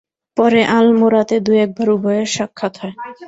পরে আলমোড়াতে দু-একবার উভয়ের সাক্ষাৎ হয়।